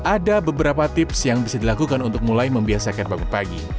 ada beberapa tips yang bisa dilakukan untuk mulai membiasakan bangun pagi